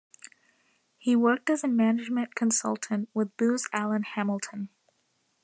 He worked as a management consultant with Booz Allen Hamilton.